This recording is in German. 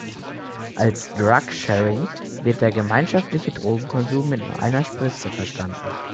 Als Drug-Sharing wird der gemeinschaftliche Drogenkonsum mit nur einer Spritze verstanden.